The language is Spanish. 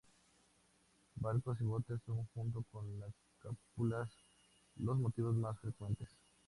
Barcos y botes son, junto con las cúpulas, los motivos más frecuentes.